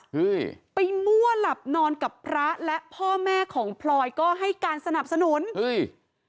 เฮ้ยไปมั่วหลับนอนกับพระและพ่อแม่ของพลอยก็ให้การสนับสนุนเฮ้ย